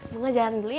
bunga jalan dulu ya